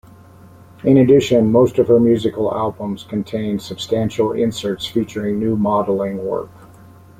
In addition, most of her musical albums contain substantial inserts featuring new modelling work.